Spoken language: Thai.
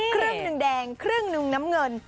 ครึ่งหนึ่งแดงครึ่งหนึ่งน้ำเงิน